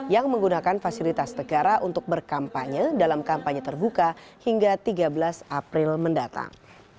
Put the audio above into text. yang menggunakan fasilitas negara untuk berkampanye dalam kampanye terbuka hingga tiga belas april mendatang